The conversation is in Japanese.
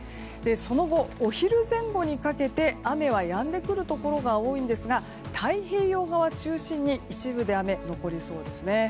その後、お昼前後にかけて雨はやんでくるところが多いんですが太平洋側中心に一部、雨が残りそうです。